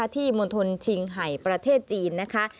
มณฑลชิงไห่ประเทศจีนนะคะ